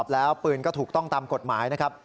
แล้วปืนก็ถูกต้องตามกฎหมายนะครับ